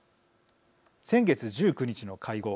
先月１９日の会合。